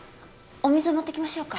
お水持ってきましょうか？